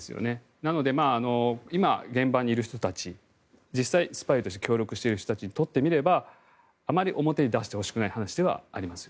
なので今、現場にいる人たち実際、スパイとして協力している人たちにとってみればあまり表に出してほしくない話ではあります。